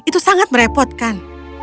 itu sangat merepotkan